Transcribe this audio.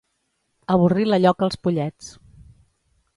Avorrir la lloca els pollets.